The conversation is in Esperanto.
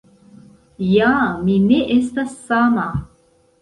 Ja mi ne estas sama.